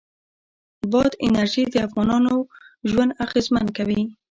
بادي انرژي د افغانانو ژوند اغېزمن کوي.